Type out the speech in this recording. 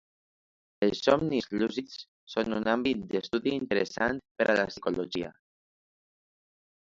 els somnis lúcids són un àmbit d'estudi interessant per a la psicologia